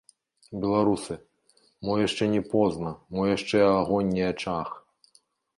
Беларусы, мо шчэ не позна, мо яшчэ агонь не ачах?